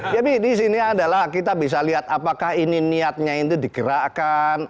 jadi disini adalah kita bisa lihat apakah ini niatnya itu digerakkan